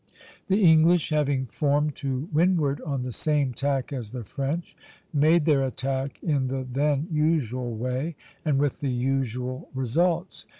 The English, having formed to windward on the same tack as the French, made their attack in the then usual way, and with the usual results.